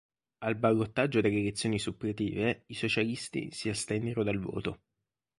Al ballottaggio delle elezioni suppletive i socialisti si astennero dal voto.